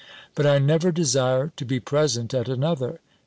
But I never desire to be present at another.